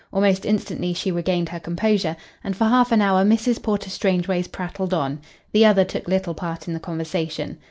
Almost instantly she regained her composure, and for half an hour Mrs. Porter Strangeways prattled on. The other took little part in the conversation.